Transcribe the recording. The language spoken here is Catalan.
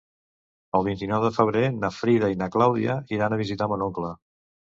El vint-i-nou de febrer na Frida i na Clàudia iran a visitar mon oncle.